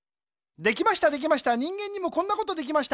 できましたできました人間にもこんなことできました。